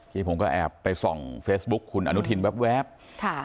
ที่ผมก็แอบไปส่องเฟซบุ๊คคุณอนุทินแวบค่ะ